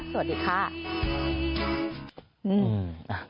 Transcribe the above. สวัสดีค่ะ